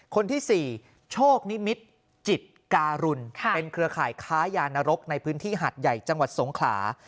คนที่๔โชคนิมิตรจิตการุลเป็นเครือข่ายค้ายานรกในพื้นที่หัดใหญ่จังหวัดสงขลา